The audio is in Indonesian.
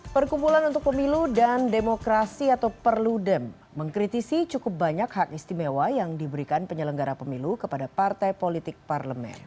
perkumpulan untuk pemilu dan demokrasi atau perludem mengkritisi cukup banyak hak istimewa yang diberikan penyelenggara pemilu kepada partai politik parlemen